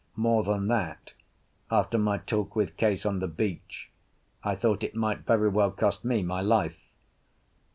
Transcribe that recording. More than that, after my talk with Case on the beach, I thought it might very well cost me my life.